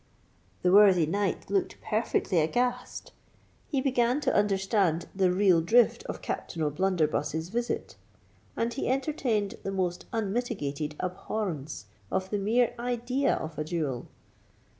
The worthy knight looked perfectly aghast. He began to understand the real drift of Captain O'Blunderbuss's visit; and he entertained the most unmitigated abhorrence of the mere idea of a duel.